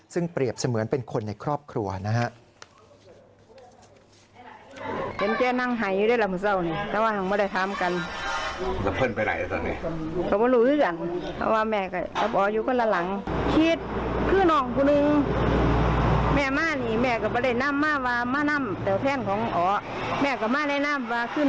ซึ่งเปรียบเสมือนเป็นคนในครอบครัวนะฮะ